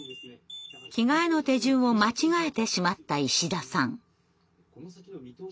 着替えの手順を間違えてしまった石田さん。